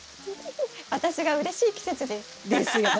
私がうれしい季節です。ですよね。